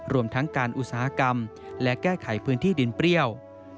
รวมทั้งการอุตสาหกรรมและแก้ไขพื้นที่ดินเปรี้ยว